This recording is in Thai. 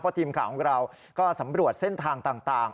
ทีมข่าวของเราก็สำรวจเส้นทางต่าง